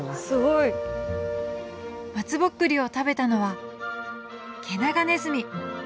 すごい。松ぼっくりを食べたのはケナガネズミ。